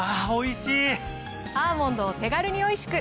アーモンドを手軽においしく。